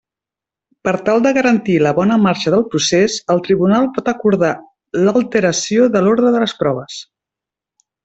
Per tal de garantir la bona marxa del procés, el Tribunal pot acordar l'alteració de l'ordre de les proves.